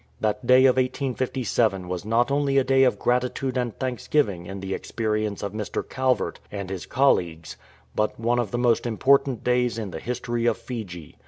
That day of 1857 was not only a day of gratitude and thanksgiving in the experience of Mr. Calvert and his colleagues, but one of the most important days in the history of Fiji.